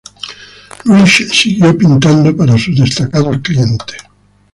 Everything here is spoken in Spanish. Ruysch siguió pintando para sus destacados clientes.